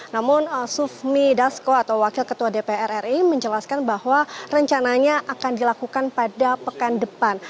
namun sufmi dasko atau wakil ketua dpr ri menjelaskan bahwa rencananya akan dilakukan pada pekan depan